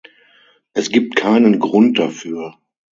Es gibt keinen Grund dafür.